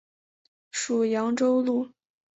属扬州路。